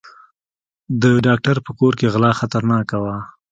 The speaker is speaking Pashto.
د ډاکټر په کور کې غلا خطرناکه وه.